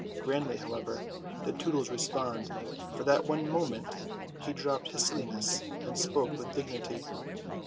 Grandly, however, did Tootles respond. For that one moment he dropped his silliness and spoke with dignity.